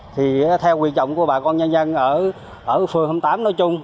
thì theo quy trọng của bà con nhân dân ở phường hai mươi tám nói chung